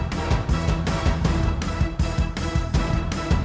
pak hasi kasih atas